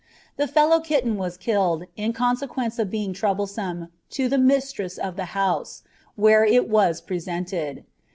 The fellow Kitten was killed, in consequence of being troublesome, to the Mistress of the House, where it was presented.